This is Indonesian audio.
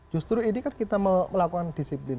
justru ini kan kita melakukan disiplin